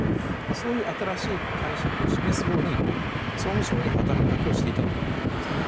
そういう新しい解釈を示すように総務省に働きかけをしていたということですね。